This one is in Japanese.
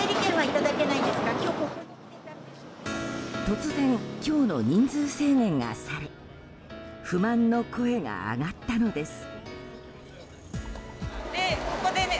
突然、今日の人数制限がされ不満の声が上がったのです。